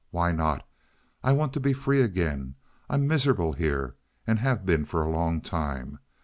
Why not? I want to be free again. I'm miserable here, and have been for a long time.